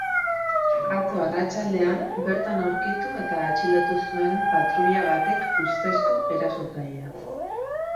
Atzo arratsaldean bertan aurkitu eta atxilotu zuen patruila batek ustezko erasotzailea.